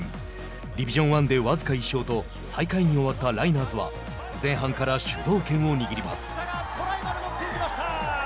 ディビジョン１で僅か１勝と最下位に終わったライナーズは前半から主導権を握ります。